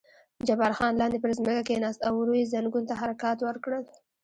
جبار خان لاندې پر ځمکه کېناست او ورو یې زنګون ته حرکات ورکړل.